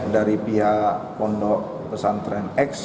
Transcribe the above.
dari pihak pondok pesantren x